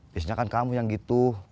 biasanya kan kamu yang gitu